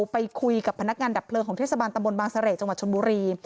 ไปคุยกับพนักงานดับเพลิงของเทศบาลตำบลบางเสร่จังหวัดชนบุรี